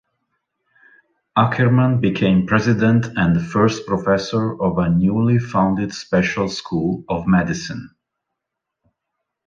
Ackermann became president and first professor of a newly founded special school of medicine.